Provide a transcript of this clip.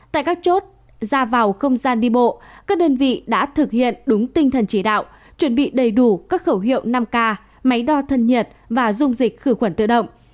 tại các chốt ra vào không gian đi bộ các đơn vị đã thực hiện đúng tinh thần chỉ đạo chuẩn bị đầy đủ các khẩu hiệu năm k máy đo thân nhiệt và dung dịch khử khuẩn tự động